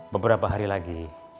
beberapa hari lagi